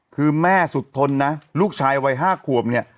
คือแม่สุดทนนะลูกชายวัย๕ขวบเนี่ย